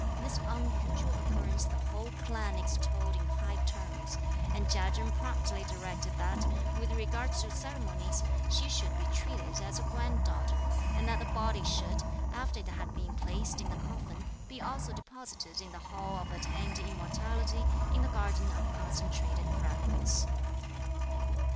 This unusual occurrence the whole clan extolled in high terms; and Chia Chen promptly directed that, with regard to ceremonies, she should be treated as a granddaughter, and that the body should, after it had been placed in the coffin, be also deposited in the Hall of Attained Immortality, in the Garden of Concentrated Fragrance.